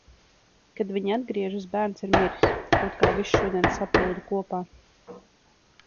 Kad viņi atgriežas, bērns ir miris. Kaut kā viss šodien saplūda kopā.